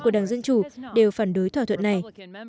của đảng dân chủ đều phản đối thỏa thuận này